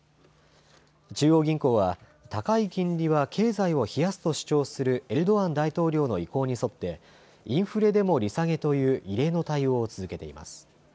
中央銀行は高い金利は経済を冷やすと主張するエルドアン大統領の意向に沿ってインフレでも利下げという異例の対応を続けています。